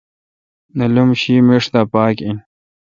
نیلومہشی میݭ دا پاک این